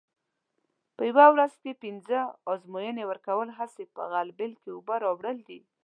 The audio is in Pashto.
په یوه ورځ کې پینځه ازموینې ورکول هسې په غلبېل کې اوبه راوړل دي.